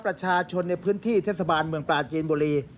ประชาชนในพื้นที่เทศบาลเมืองปลาจีนบุรี